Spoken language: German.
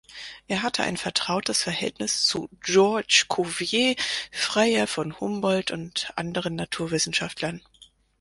Er hatte ein vertrautes Verhältnis zu Georges Cuvier, Freiherr von Humboldt und anderen Naturwissenschaftlern.